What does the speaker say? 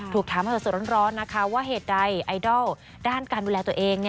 ถามสดร้อนนะคะว่าเหตุใดไอดอลด้านการดูแลตัวเอง